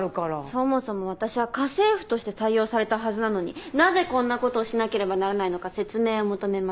そもそも私は家政婦として採用されたはずなのになぜこんな事をしなければならないのか説明を求めます。